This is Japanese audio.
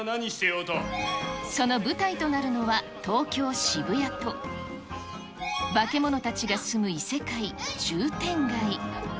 その舞台となるのは、東京・渋谷と、バケモノたちが住む異世界、渋天街。